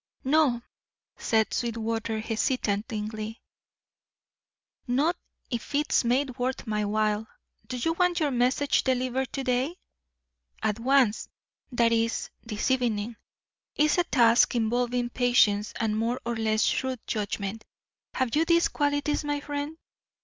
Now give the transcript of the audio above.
"No," said Sweetwater, hesitatingly, "not if it's made worth my while. Do you want your message delivered to day?" "At once. That is, this evening. It's a task involving patience and more or less shrewd judgment. Have you these qualities, my friend?